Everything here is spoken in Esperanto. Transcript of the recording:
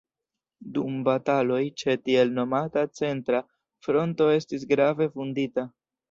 Dum bataloj ĉe tiel nomata centra fronto estis grave vundita.